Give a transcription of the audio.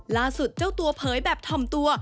ล่าสุดเจ้าตัวเผยแบบถ่อมตัว